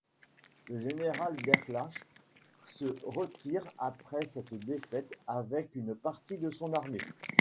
Le général d'Erlach se retire après cette défaite avec une partie de son armée.